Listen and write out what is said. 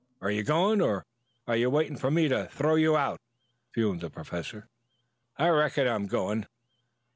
Are you going, or are you waiting for me to throw you out?" fumed the Professor. "I reckon I'm going.